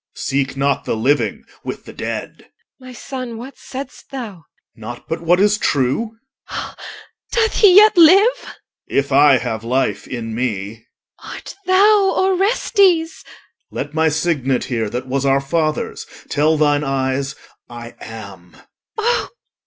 Seek not the living with the dead, EL. My son, what saidst thou? OR. Nought but what is true. EL. Doth he yet live? OR. If I have life in me. EL. Art thou Orestes? OR. Let my signet here, That was our father's, tell thine eyes, I am.